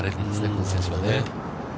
この選手はね。